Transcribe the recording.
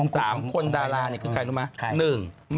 สามคนดาราเนี่ยคือใครรู้ไหม